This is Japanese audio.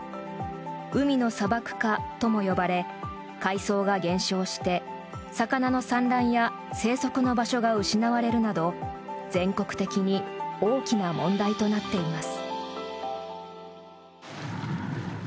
海の砂漠化とも呼ばれ海藻が減少して魚の産卵や生息の場所が失われるなど全国的に大きな問題となっています。